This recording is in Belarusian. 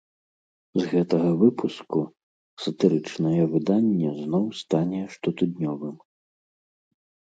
З гэтага выпуску сатырычнае выданне зноў стане штотыднёвым.